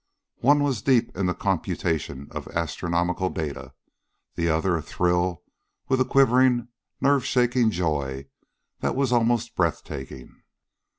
One was deep in the computation of astronomical data; the other athrill with a quivering, nerve shaking joy that was almost breath taking.